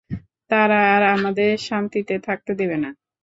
তারা আর আমাদের শান্তিতে থাকতে দেবে না।